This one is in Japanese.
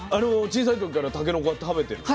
小さい時からたけのこは食べてるの？